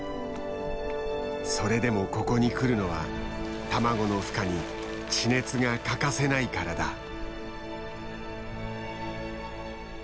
それでもここに来るのは卵のふ化に地熱が欠かせないからだ。